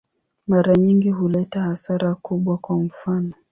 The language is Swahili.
Mara nyingi huleta hasara kubwa, kwa mfano.